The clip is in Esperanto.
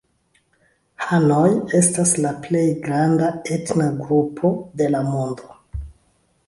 Hanoj estas la plej granda etna grupo de la mondo.